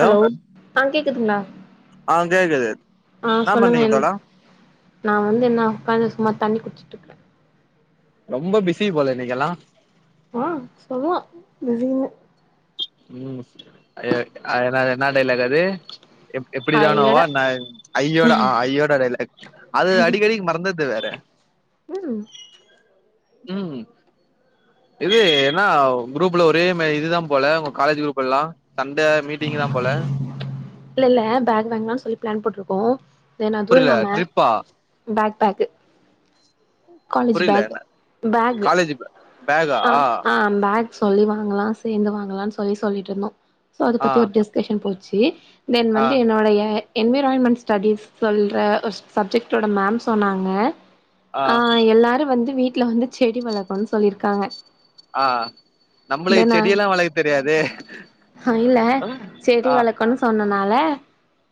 hello ஆ கேக்குதுங்ளா ஆ கேக்குது ஆ என்னா சொல்லுங்க பண்றீங்க என் தோழா நா வந்து என்னா உக்காந்து சும்மா தண்ணி குட்ச்சிட்ருக்கே ரொம்ப பிசி போல இன்னிக்கெல்லா ஆ சும்மா பிஜிங்க உம்முஸ்ட் அயே அயான்னா என்னா டைலாக் அது எப்புடி தானவோ ஐயடா நைன் ஐயோடா ஆ ஐயோட டய்லாக் அது அடிக்கடிக் மறந்தத்து வேற ம் ம் இது என்னாவ் க்ரூப்ல ஒரே மெய் இதுதாம் போல உங்க காலேஜ் க்ரூப் எல்லா சண்டே மீட்டிங்கிதா போல இல்ல இல்ல பேக் வேங்லான் சொல்லி ப்ளான் பட்ருக்கோ தென் அதுவு புரில இல்லாம ட்ரிப்பா பேக் பேக்கு காலேஜ் புரில பேக் பேக்கு காலேஜ் அ ஆ பேக் சொல்லி வாங்கலா சேந்து வாங்கலான் சொல்லி சொல்லிட்ருந்தோ சோ அத பத்தி ஒரு ஆ கெஸ் கெஷன் போச்சி தென் வந்து என்னோடைய என்விரான்மெண் ஸ்டடிஸ் சொல்ற ஒர்ஸ் சப்ஜெக்ட்டோட மேம் சொன்னாங்க ஆ எல்லாரு வந்து வீட்ல வந்து செடி வளக்கனு சொல்லிர்க்காங்க ஆ நம்ளை செடியெல்லா வளை தெரியாதே இல்ல அ செடி ஆ வளர்க்கன்னு சொன்னனால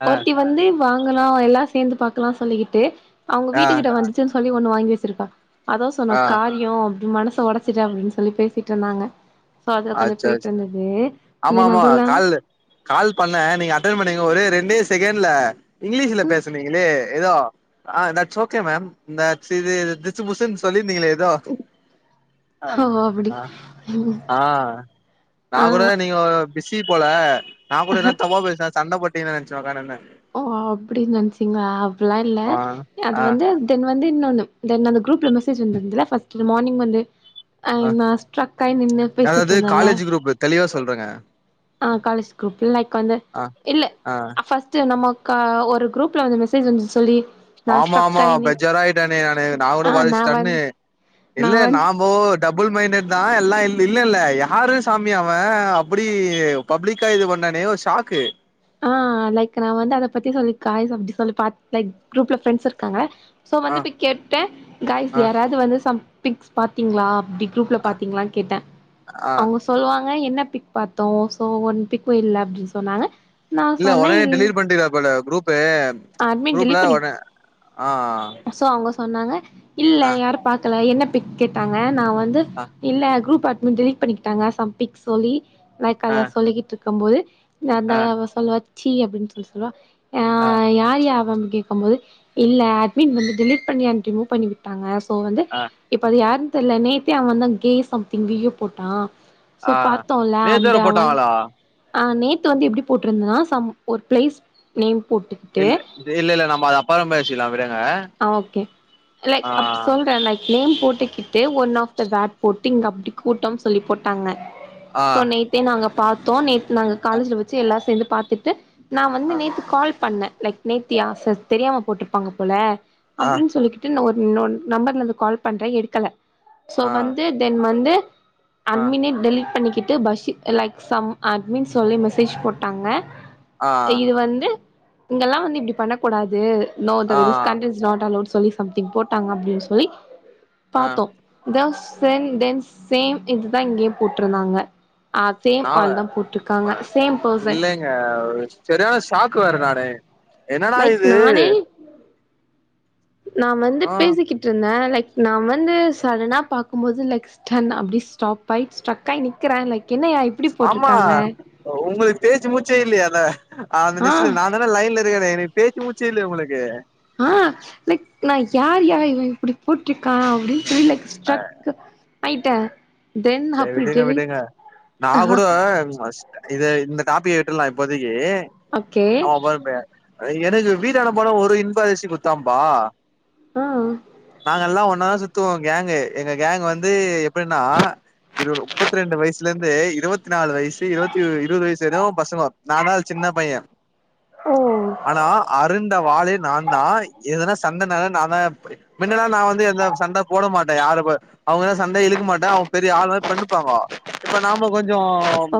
ஆ ஒருத்தி வந்து வாங்கலோ எல்லா சேந்து பாக்கலா சொல்லிக்கிட்டு அவங்க ஆ வீட்டு கிட்ட வந்துச்சுன் சொல்லி ஒண்ணு வாங்கி வச்சிருக்கா அதொவ் சொன்ன ஆ காரியோ அப்டி மனச ஒடச் ச்சிட்டா அப்டின் சொல்லி பேசிட்ருந்தாங்க சோ அதுல கொஞ்சு அச்சோ போயிட்ருந்ததே ஆமா தென் ஆமா அதுல்லாம் கால் கால் பண்ண நீங்க அட்டன் பண்ணீங்கோ ஒரே ரெண்டே செகெண்ல இங்லீஷுல ம் பேஸ் சொன்னீங்கிளே ஏதோ ஆ தட்ஸ் ஷஓகே தட்ஸ் இது திசு புசுன் சொல்லிர்ந்தீங்களே எதோ ஹஷோ அப்படி ஹின் ஆ நா கூட நீங்கோ பிஸி போல நா கூட என்னா தப்பா பேஸ்னாத் சண்ட போட்டின்னன்ச்சு ஒக்காருந்த ஓ அப்படின் நென்ச்சீங்கா அப்புல்லா இல்ல ஆ அது ஆ வந்தும் தென் வந்து இன்னொன்னு தென் அந்த க்ரூப்ல மெசேஜ் வந்துந்துல ஃபஸ்ட்லு மார்னிங் வந்து அ ஆ நா ஸ்ட்ரக்கை நின்னு அதாவது பேசிட்ருந்தல காலேஜ் குரூப் தெளிவா சொல்றேங்க ஆ காலேஜ் க்ரூப் லைக் வந்து ஆ இல்லே ஆ அ ஃபஸ் ச்ச நமக்கா ஒரு க்ரூப்ல வந்து மெசேஜ் வந்து சொல்லி நா ஆமா ஸ்ட்ரக் ஆமா ஆயி நின் பெஜ்ஜார ஆய்ட்ட நி ஆனு நா கூட ஆ நா போதிச்ட்டன்னு வந்து நா இல்ல வந்து நாம்போட் டபுள் மைண்டட் தா எல்லா இல் இல்லல்ல யாரு சாமி அவெ அப்படியுவ் பப்ளிக்கா இது பண்ணனே ஒர் ஷாக்கு ஆ லைக் நா வந்து அத பத்தி சொல்லி காய்ஸ் அப்டி சொல்லி பா லைக் குரூப்ல ஃப்ரெண்ட்ஸ் இருக்காங்க சோ ஆ வந்துட்டு கேட்டே காய்ஸ் ஆ யாராவது வந்து சம் பிக்ஸ் பாத்தீங்களா அப்டி குரூப்ல ஆ பாத்தீங்களான்னு கேட்டே ஆ அவுங்கோ சொல்லுவாங்க என்ன பிக் பாத்தோ ஸோ ஒன் பிக்கும் இல்ல அப்டின்னு சொன்னாங்க நா இல்ல சொன்னே உடனே இல் டெலிட் பண்ணிட்டீங்க போல குரூப்பு அட்மின் குரூப்ல டெலிட் பண்ணி உட ஆ ஆ அதுனால இல்ல யாரு பாக்கல என்ன பிக் கேட்டாங்க நா வந் து ஆ இல்ல குரூப் அட்மின் டெலிட் பண்ணிக்கிட்டாங்க சம்திங் சொல்லி லைக் ஆ அத சொல்லிகிட்டு இரு க்கும் போது இல்ல அந்த ஆ அவ சொல்வா ச்சீ அப்டின்னு சொல்லி சொல்லுவா ஆ ஆ யார்யா அவ கேட்கும் போது இல்ல அட்மின் வந்து டெலிட் பண்ணி அண்ட் ரிமூவ் பண்ணி விட் டாங்க சோ வந்து ஆ இப்ப அது யாருன்னு தெரியல நேத்தே அவன் வந்து கேய்ஸ் சம்திங் வீடியோ போட்டா சோ ஆ பாத்தோம்ல நேத்து அந்த வேற அவன் போட்டாங்களா அ நேத்து வந்து எப்டி போட்ருந்தா சம் ஒரு பிளேஸ் நேம் போட்டுக்கிட்டு இல் இல்ல இல்ல நம்ம அத அப்பறோ பேசிகலா விடுங்க ஆ ஓகே லைக் ஆ அப் சொல்றேன் லைக் நேம் போட்டுக்கிட்டு ஒன் ஆஃப் த வேட் போட்டிங் அப்டி கூட்டம் சொல்லி போட்டாங்க ஆ சோ நேத்தே நாங்க பாத்தோ நேத்து நாங்க அ காலேஜ்ல வச்சு எல்லா சேர்ந்து பாத்துட்டு நா வந்து அ நேத்து கால் பண்ணே லைக் நேத்தியா ச தெரியாம போட்ருப்பாங்க போல ஆ அப்டின்னு சொல்லி ட்டு நா ஒரு ஒன் நம்பர்லயிருந்து கால் பண்றே எடுக்கல சோ வந்து ஆ தென் வந்து ஆ அட்மினே டெலிட் பண்ணிகிட்டு பஷி லைக் சம் அட்மீன் சொல்லி மெசேஜ் போட்டாங்க ஆ இது வந்து இங்கெல்லா வந்து இப்டி பண்ணக்கூடாது no there ah is கன்றிஸ் it's not allowed சொல்லி சம்திங் போட்டாங்க அப்டின்னு சொல்லி ஆ பாத்தோ தஸ் சென் தென் சேம் இதுதா இங்கேயு போட்ருந்தாங்க அதே நாவ ஆள் தா போட்ருக்காங்க சேம் பெர்சன் அ செரியான ஷாக்கு வேற நானு என்னன்னா லைக் இது நானே நா வந்து ஆ பேசிக்கிட்ருந்தே லைக் நா வந்து சடனா பாக்கும்போது லைக் ஸ்டன் அப்டி ஸ்டாப் ஆயி் ஸ்ட்ரக் ஆயி நிக்கிறே லைக் என்னயா இப்டி ஆமா போட்ருக்காங்க உங்களுக்கு பேச்சு மூச்சே இல்லைய அத அந்த ஆ நிமிசத்துல நானு நான்தா லைன்ல இருக்கேனே நீ பேச்சு மூச்சே இல்லயே உங்களுக்கு ஆ லைக் நா யார்யா இவ இப்டி போட்ருக்கா அப்டின்னு சொல்லி லைக் ஸ்டரக் ஆயிட்டே தென் செரி அப்டி விடுங்க டெலிட் விடுங்க நா ஆஹா கூட அஸ் இத இந்த டாபிக்க விட்டுர்லா இப்போதைக்கு ஓகே அவ போத பைய எனக்கு வீடான போன ஒரு இன்ப அதிர்ச்சி குடுத்தாம்பா ஆ நாங்க எல்லா ஒன்ன தா சுத்துவோ கேங்கு எங்க கேங்க் வந்து எப்டின்னா இருபது முப்பத்தி ரெண்டு வயசுல இருந்து இருபத்தி நாலு வயசு இருபத்தி இருபது வயசு வரையு பசங்க நா தா சின்ன பையன் ஓ ஆனா அருண்ட வாளே நா தா எதுனா சண்டனாலே நா தா போய் மின்னலா நா வந்து எந்த சண்ட போட மாட்டே யாருப்ப அவங்க சண்டை இழுக்க மாட்டே அவங்க பெரிய ஆளு பண்ணுப்பாங்கோ இப்ப நாமோ கொஞ்சோ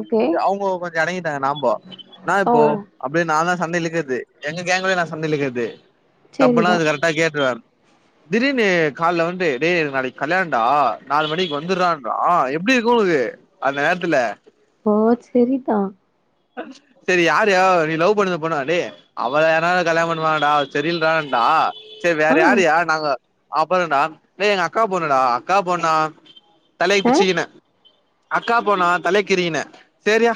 ஓகே அவங்க கொஞ்சோ அடங்கிட்டாங்க நாமோ என்ன ஓ இப்போ அப்டியே நா தா சண்ட இழுக்கிறது எங்க கேங்குலயே நா சண்ட இழுக்கிறது தப்புனா செரிதா அது கரெக்டா கேட்டுருவே திடீர்னு கால வந்து டே எனக்கு நாளைக்கு கல்யாணடா நாலு மணிக்கு வந்துடுறானுற்றா எப்டி இருக்கு உங்களுக்கு அந்த நேரத்துல அப்போ செரிதா செரி யாருயா நீ லவ் பண்ற பொண்ணா டேய் அவள யார்னாது கல்யாண பண்ணுவாங்கடா டே ரீல் தான்டா செரி வேற ஆ யாருயானாங்க அப்பறடா டேய் எங்க அக்கா பொண்ணுடா அக்கா பொண்னா தலைய ஆ பிச்சிக்கினே அக்கா பொண்ணா கலாய்க்றீன்னு செரியா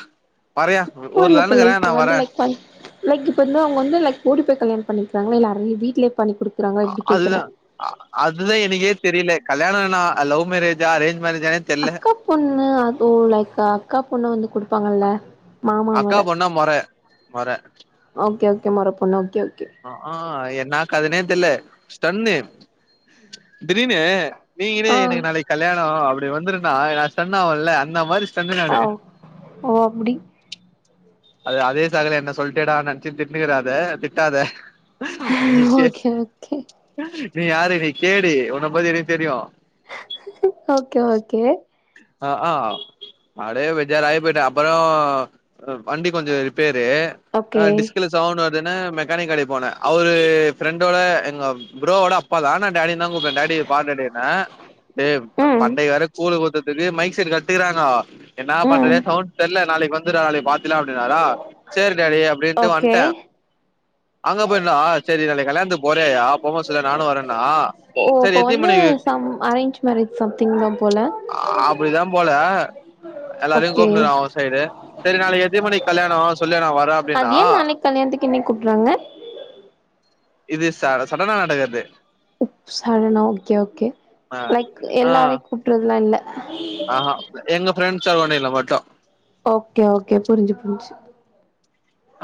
போ இல்ல இப்ப லைக் இப்ப வந்து லைக் பன் லைக் இப்ப வந்து அவங்க வந்து லைக் ஓடி போய் கல்யாண் பண்ணிக்கிறாங்களா இல்ல அவங்க வீட்லே பண்ணி குடு அதுதா அதுதா எனக்கே தெரில கல்யாணோன்னா அது லவ் மேரேஜா அரேஞ்ச் மேரேஜானே தெர்ல அக்கா பொண்ணு அத் ஓ லைக் அக்கா பொண்ண வந்து குடுப்பாங்கல்ல மாமா மொற அக்கா பொண்ணா மொற மொற ஓகே ஓகே மொற பொண்ணு ஓகே ஓகே அ ஆ என்னா கதன்னே தெர்ல ஸ்டன்னு திடீர்னு நீங்களே ஆ எனக் நாளைக்கு கல்யாணோ அப்டி வந்துருன்னா நா ஸ்டன் ஆவல்ல அந்த மாரி ஸ்டன்னு ஆ நானு ஓ ஓ அப்டி அது அதே சாக்குல என்ன சொல்ட்டியேடான் நெனைச்சு திட்னுக்காத அத திட்டாத முஞ்சிர்ச்சு ஓகே நீ யாரு நீ கேடி உன்ன பத்தி எனக் தெரியு ஓகே ஓகே அ ஆ ம் அப்டே பேஜாராய் போய்ட்டே அப்பறோ அ வண்டி கொஞ்சோ ரிப்பேரு அ ஓகே டிஸ்க்குல சவுண்ட் வர்துன்னு மெக்கானிக் கடைக் போனே அவுரு ஃப்ரண்டோட எங்க ப்ரோவோட அப்பா தா நா டாடின் தா கூப்டுவே டாடி பாரு டாடினே டே அ ம் மண்டே வேற கூழு ஊத் திடீர் மைக் செட்டு கட்டிக்கிறாங்கோ என்னா ம் பண்றத்னே சவுண்ட் தெர்ல நாளைக் வந்து ர்ரா நாளைக் பாத்திர்லா அப்டினாரா சேரி டாடி அப்டின்ட்டு ஓகே வந்ட்டே அங்க போய் நின்னா செரி நாளைக் கல்யாணத்துக்கு போறியாயா போம்போத் சொல்யா நானு வரேன்னா ஓ சரி இப்ப எத்தினி வந்து மணிக்கு ஆமா அரேஞ்ச் மேரேஜ் சம்திங் தா போல அப்டிதா போல எல்லாரையு ஓகே கூப்டுறா அவ சைடு செரி நாளைக் எத்தின் மணிக் கல்யாணோ சொல்யா நா வ அத ஏ நாளைக் கல்யாண்த்துக் இன்னிக் கூப்ட்றாங்க இது சாட சடனா நடக்கற்து ஓ சடனா ஓகே ஓகே ஆ லைக் எல்லாரை கூப்ட்றதுலா இல்ல ஆஆ எங்க ஃப்ரெண்ட்ஸ் சரவ்ண்டிங்ல மட்டு ஓகே ஓகே புரிஞ்சு போச்சு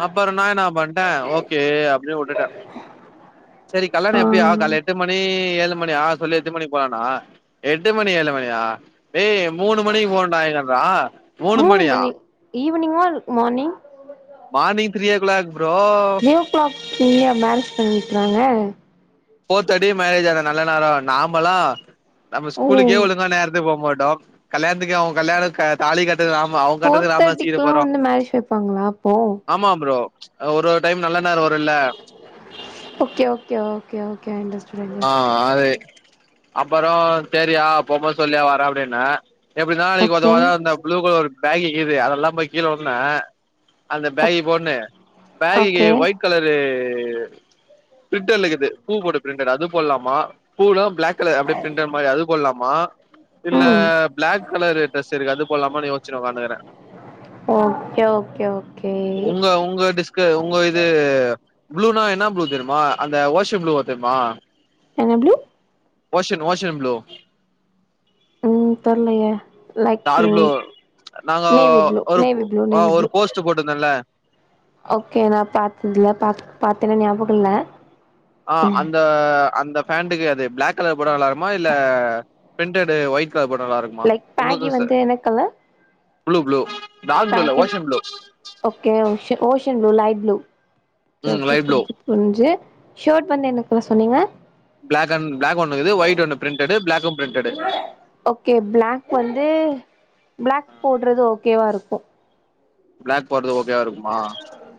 அப்பறோ நா என்னா பண்ட்டே ஓகே அப்டியே வுட்டுட்டே செரி கல்யாணோ ஆ எப்டியா கால்ல எட்டு மணி ஏழு மணியா சொல்லு எட்டு மணிக் போலானா எட்டு மணி, ஏழு மணியா ஏய் மூணு மணிக் போனுன்டா [unintelligible] மூணு மணி evening or morning morning three o'clock bro three o'clock எங்கயா மேரேஜ் பண்ணீர்க்றாங்க ஃபோர் தேட்டிக் மேரேஜ் அது நல்ல நேரோ நாமலா நம்ம ஸ்கூலுக்கே ஓ ஒழுங்கா நேரத்துக் போ மாட்டோ கல்யாணத்துக்கு அவுங் கல்யாணோ க தாலி கட் றக்கு ஆமா அவுங் ஃபோர் கட்றதுக் நாம ஏ சீக்கரோ தேர்ட்டிக்குலா போறோ வந்து மேரேஜ் வைப்பாங்களா அப்போ ஆமா ப்ரோ ஒரு ஒரு டைம் நல்ல நேரோ வருல்ல okay okay okay okay I understand ஆ அது அப்பறோ சேரியா போம் போது சொல்லுயா வரே அப்டின்னே எப்படிதா நாளைக்கு ஓகே உதவாத அந்த ப்ளூ கலர் ஒரு பேக்கிக்குது அதல்லா போய் கீழ [unintelligible] அந்த ஓக் பேகி போட்ணு பேகிக்கு ஓகே ஒயிட் கலரு பிரிண்டர்லுக்குது பூ போட்ட பிரிண்டர் அது போடலாமா பூலா பிளாக் கலர் அப்டியே பிரின்டர் மாரி அது போடலாமா இல்ல ம் பிளாக் கலரு டிரரெஸ் இருக்கு அது போடலாமானு யோஸ்சீன்னு உக்காந்துருக்கற ஓகே ஓகே ஓகே க்கு உங்க இது ப்ளூனா என்ன ப்ளூ தெரிமா அந்த ஓஷம் ப்ளூவ தெரிமா என்ன ப்ளு ஓஷன் ஓஷன் ப்ளூ ம் தெரிலையே டார்க் புளூ நாங்கோ நேவி ப்ளூ ஒரு பு நேவி ப்ளூ நேவி ஒரு ப்ளூ போஸ்ட் போட்ருந்தல்ல ஓகே நா பாத்ததில்ல பா பாத்தேன்னா ஞாபகோ இல்ல ஆ அந்த அந்த பேண்ட்டுக்கு அது பிளாக் கலர் போட்டா நாள்ளாருக்குமா இல்ல பிரிண்ட்டடு ஒயிட் கலர் போட்டா நல்லா இருக்குமா லைக் உங்க பேகி டிரஸு வந்து என்ன colour blue blue dark blue இல்ல baggy ocean blue okay okay ocean blue light blue okay ம் ஓகே லைட் ப்ளூ புரிஞ்சிது ஒஞ்சு ஷர்ட் வந்து என்ன கலர் சொன்னீங்க பிளாக் அண்ட் பிளாக் ஒண்ணு இருக்குது ஒயிட் ஒன்னு printed black printed okay black வந்து பிளாக் போடுறது ஓகேவா இருக்கு பிளாக் போடுறது ஓகோ வா இருக்குமா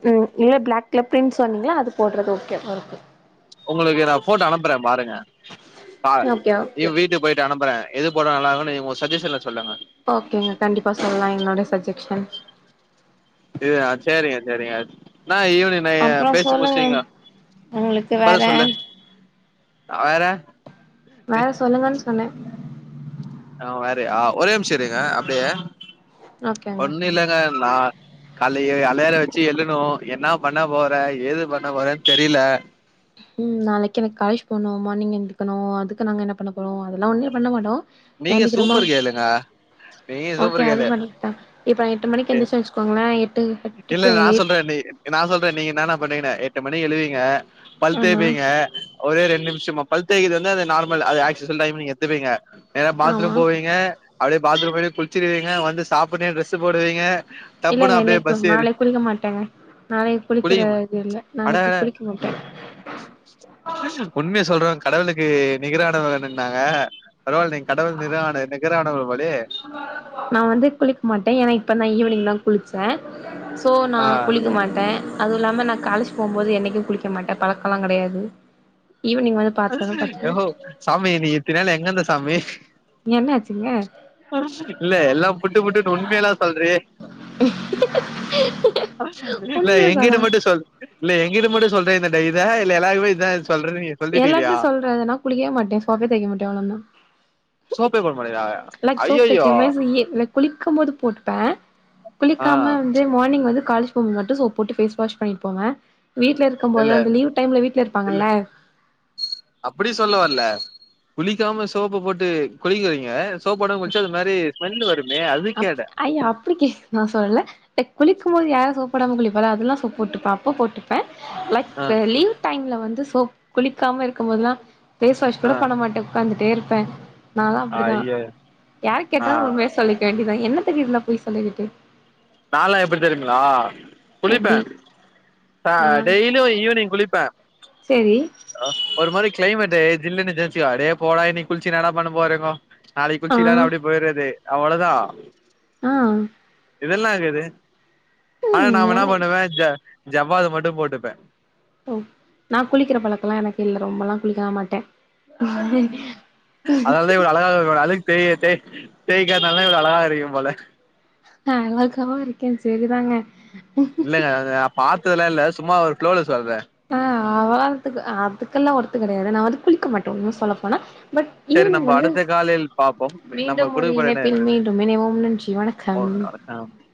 ம் இல்ல பிளாக்ல பிரிண்ட் சொன்னிங்ள அது போடுறது ஓகே வா இருக்கு உங்களுக்கு நா போட்டோ அனுப்பறே பாருங்க பார் ஓகே ஓகே இவ் வீட்டுக்கு போயிட்டு அனுப்பறே எது போட்டா நல்லாருக்குன்னு உங்க சஜ்ஜசன்ல சொல்லுங்க ஓகேங்க கண்டிப்பா சொல்லா என்னோட சஜெக்ஷன் இது சேரிங்க சேரிங்க நா ஈவினி நீங்க அப்றோ பேசி சொல்லுங்க முடிஸ்ட்டிங்கோ உங்களுக்கு அப்பறோ வேற சொல்லு வேற மேல சொல்லுங்கன்னு சொன்னே ஆ வேற யா ஒரே நிம்ஷோ இருங்க அப்டியே ஓகேங்க ஒண்ணு ஓகேங்க இல்லங்க நா கால்லயே அழாரோ வெச்சு எழுணு என்ன பண்ண போற ஏது பண்ண போறேன் தெரீல ம் நாளைக்கு எனக்கு காலேஜ் போணு மார்னிங் எந்திரிக்கணு அதுக்கு நாங்க என்ன பண்ண போறோ அதல்லா ஒன்னுமே பண்ண மாட்டோ நீங்க ஏந்திக்கிறோமா சூப்பர் கேளுங்க நீங்க ஓகே சூப்பர் அது கேளு பண்ணிட்டா இப்ப எட்டு மணிக்கு எந்திர்ச்சே வெச் கொங்களோ இல்ல நா சொல்றே நீ நா சொல்றே நீங்க என்ன என்னா பண்ணுவிங்கன்னு எட்டு மணிக்கு எழுவீங்க பல் ஆமா தேப்பீங்க ஒரே ரேண் நிமுஷமா பல் தேக்கறது வந்து அது நார்மல் அது ஆக்சுஸ்வல் டைம் நீங்க எத்துப்பீங்க நேரா ஆமா பாத்ரூம் போவீங்க அப்டியே பாத்ரூம் [unintelligible] குளிச்சிருவீங்க வந்து சாப்புனே டிரெஸு போடுவீங்க டப்புன்னு அப்டியே பஸ் ஏறு நாளை குளிக்க மாட்டேங்க நாளைக்கு குளிக்கற குளிக்குங்க இது இல்ல அட நாளைக்கு அட குளிக்க மாட்டே இந்த உண்மைய சொல்றவ கடவளுக்கு நிகரானுவங்கன்னாங்க பரவால்ல நீங்க கடவுள் நிரான நிகரானவர் போலயே நா வந்து குளிக்க மாட்டே ஏன்னா இப்ப நா ஈவினிங் தா குளிச்ச சோ நா ஆ குளிக்க மாட்டே அதுவு இல்லாம நா காலேஜ் போம்போது என்னைக்கு குளிக்க மாட்ட பழக்கல்லா கெடையாது ஈவினிங் வந்து பாத்தோன பாத்துக்குவே ஓ சாமி நீ இத்தின் நாள் எங்க இருந்த சாமி என்ன ஆச்சுங்க இல்ல எல்லா புட்டு புட்டுனு உண்மையலா சொல்றயே இல்ல உண்மைய எங்கிட்ட சொல்லே மட்டும் சொல் இல்ல எங்கிட்ட மட்டும் சொல்றேயா இந்த டை இத இல்ல எல்லாக்ருகுமே இதான் சொல்லறி எல்லாத்தையும் சொல்றதுனா குளிக்கவே மாட்டேன் சோப்பே தேய்க்க மாட்டும்ன் அவ்ளோ தான் சோப்பே போட மாட்டியா ஐயையோ [unintelligible] [inaudible] குளிக்கும் மோது போட்டுப்பேன் ஆ குளிக்காம வந்து மார்னிங் வந்து காலஜ் போம்மோது மட்டும் சோப் போட்டு ஃபேஸ் வாஷ் பண்ணிட்டு போவேன் வீட்ல இருக் கும் இல்ல போது அந்த லீவ் டைம்ல வீட்ல இருப்பாங்கல்ல அப்படி சொல்ல வரல குளிக்காம சோப்ப போட்டு குளிக்கறீங்க சோப்பு போடாம குளிச்சா அது மாரி ஸ்மெல்லு வரும் அப்ப ஐ அப் ப்டிக்கே நான் சொல்லல குளிக்கும்மோது யாரும் சோப்போடாம குளிப்பா அதெல்லாம் சோப்போட்டுப்ப அப்ப போட்டு லைக் ஆ லீவ் டைம்ல வந்து சோப் குளிக்காம இருக்கும்மோதல்லாம் ஃபேஸ் வாஷ் கூட ஆ பண்ண மாட்டேன் உட்காந்துட்டே இருப்பேன் நானலாம் அப்டிதான் ஐய யாரு ஆ கேட்டாலும் சொல்லிக்க வேண்டிதான் என்னத்துக்கு இதலாம் பொய் சொல்லிக்கிட்டு நாலாம் எப்படி தெரியுங்களா எப்டி குளிப்பன் அ டெய்லியும் ஈவினிங் குளிப்பன் செரி ஒரு மாரி கிளைமேட் ஜில்லன்னு இந்துச்சுன்னு வச்சுக்கோ அடே போடா இனி குளிச்சு ன்நாடா பண்ணபோறீங்கோ நாளைக்கு ஆ குளிச்சிகிலான்னு அப்டி போயிடுறது அவ்வளவுதான் ம் இதெல்லாம் இருக்குது ஆனா ம் நான் என்ன என பண்ணுவேன் ஜ ஜவாத் மட்டும் போட்டுப்பேன் ஓ நான் குளிக்கிற பழக்க எல்லாம் எனக்கு இல்ல ரொம்பல்லாம் குளிக்கலாம் மாட்டன் அதனால தான் இவ்வளவு அழகா இரு அழுக்கு தேய்க் தேய்காததுனாதான் இவ்வளவு அழகா இருக்கீங்க போல நான் அழகாவா இருக்கேன் செரிதாங்க இல்லங்கான் நா பாத்ததலாம் இல்ல சும்மா ஒரு ஃபளோல சொல்றேன் ஆ அவ அதுக்கு அதுக்கெல்லாம் ஒர்த் கிடையாது நான் வந்து குளிக்க மாட்டேன் உண்மைய சொல்லப்போனா பட் செரி ஈவினிங் நம்ம வந்து அடுத்த காலில் பாப்போம் நம்ம மீண்டும் ஒரு குடுக்கப்பட்ட நே இணைப்பில் மீண்டும் இனைவோம் நன்றி வணக்கம் அ